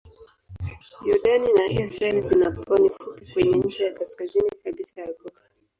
Yordani na Israel zina pwani fupi kwenye ncha ya kaskazini kabisa ya ghuba.